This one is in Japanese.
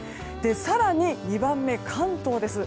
更に、２番目、関東です。